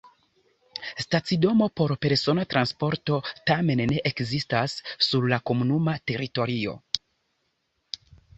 Stacidomo por persona transporto tamen ne ekzistas sur la komunuma teritorio.